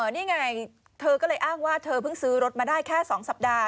นี่ไงเธอก็เลยอ้างว่าเธอเพิ่งซื้อรถมาได้แค่๒สัปดาห์